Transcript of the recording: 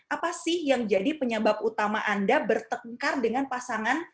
apa sih yang jadi penyebab utama anda bertengkar dengan pasangan